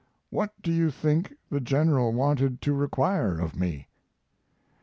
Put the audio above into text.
What do you think the General wanted to require of me?'